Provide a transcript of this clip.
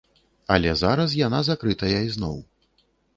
Але зараз яна закрытая ізноў.